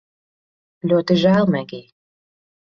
Ļoti žēl, Megij